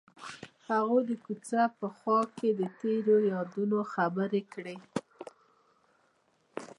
هغوی د کوڅه په خوا کې تیرو یادونو خبرې کړې.